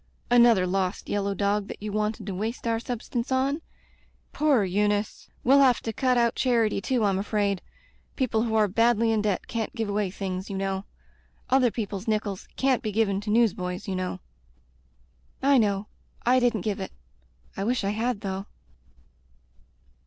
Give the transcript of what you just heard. "Another lost yellow dog that you wanted to waste your substance on ? Poor Eunice! We'll have to cut out charity too, I'm afraid. People who are badly in debt can't give away things, you know. Other people's nickels can't be given to newsboys, you know." "I know — I didn't give it. I wish I had, though."